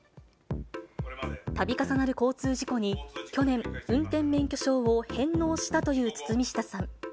度重なる交通事故に、去年、運転免許証を返納したという堤下さん。